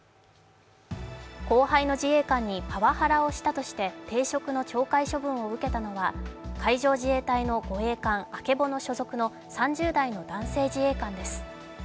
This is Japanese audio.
後輩の自衛官にパワハラをしたとして停職の懲戒処分を受けたのは海上自衛隊員の護衛艦「あけぼの」所属の３０代の男性自衛官です。